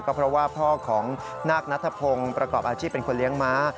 เพราะว่าพ่อของนาคนัทพงศ์ประกอบอาชีพเป็นคนเลี้ยงม้า